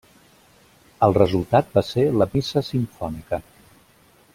El resultat va ser la missa simfònica.